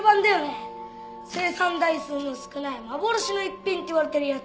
生産台数の少ない幻の逸品って言われてるやつ。